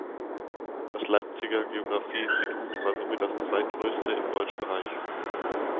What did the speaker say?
Das Leipziger Geographie-Institut war somit das zweitgrößte im Deutschen Reich.